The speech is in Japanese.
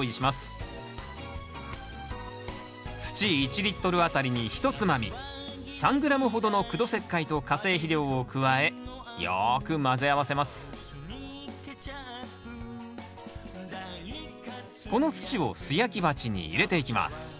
土１あたりにひとつまみ３ｇほどの苦土石灰と化成肥料を加えよく混ぜ合わせますこの土を素焼き鉢に入れていきます。